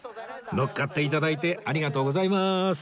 のっかって頂いてありがとうございます